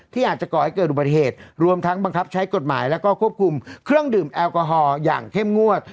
ที่อาจจะก่อให้เกิดอุบัติเหตุรวมทั้งบังคับใช้กฎหมายแล้วก็ควบคุมเครื่องดื่มแอลกอฮอล์อย่างเข้มงวด